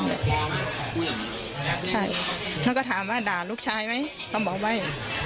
ถ้าถามว่าด่าลูกชายไหมต้องบอกว่าไว้